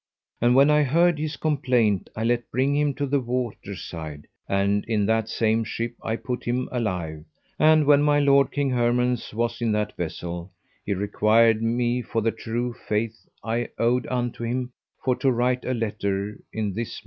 And when I heard his complaint, I let bring him to the water side, and in that same ship I put him alive; and when my lord King Hermance was in that vessel, he required me for the true faith I owed unto him for to write a letter in this manner.